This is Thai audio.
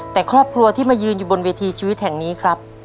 แต่ครอบครัวที่มายืนอยู่บนเวทีชีวิตแห่งนี้ครับ